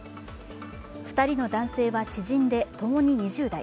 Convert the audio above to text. ２人の男性は知人で共に２０代。